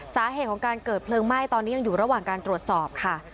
สาเหตุของการเกิดเพลิงไหม้ตอนนี้ยังอยู่ระหว่างการตรวจสอบค่ะ